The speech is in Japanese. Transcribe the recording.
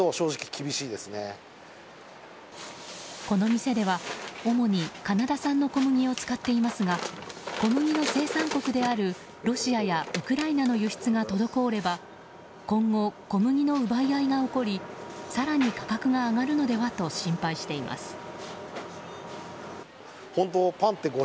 この店では、主にカナダ産の小麦を使っていますが小麦の生産国であるロシアやウクライナの輸出が滞れば今後、小麦の奪い合いが起こり更に価格が上がるのではと心配しています。